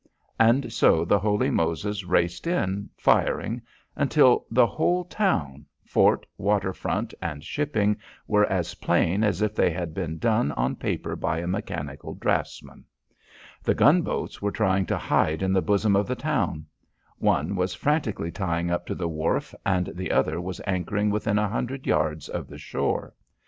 And so the Holy Moses raced in, firing, until the whole town, fort, waterfront, and shipping were as plain as if they had been done on paper by a mechanical draftsman. The gunboats were trying to hide in the bosom of the town. One was frantically tying up to the wharf and the other was anchoring within a hundred yards of the shore.